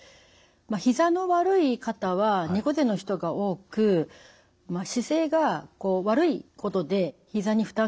ひざの悪い方は猫背の人が多く姿勢が悪いことでひざに負担がかかります。